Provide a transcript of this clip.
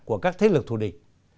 của các thế lực thù địch